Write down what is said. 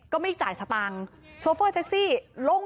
ก็ไม่จ่ายสตั้ง